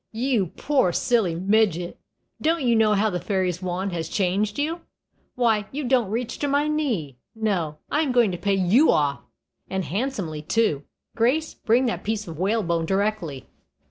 "You poor silly midget! don't you know how the fairy's wand has changed you? Why, you don't reach to my knee. No; I am going to pay you off, and handsomely too. Grace, bring that piece of whalebone directly."